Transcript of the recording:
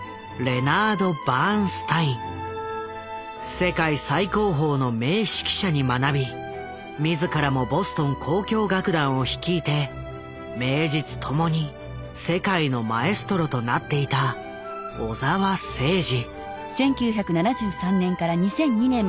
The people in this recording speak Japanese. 世界最高峰の名指揮者に学び自らもボストン交響楽団を率いて名実ともに世界のマエストロとなっていた小澤征爾。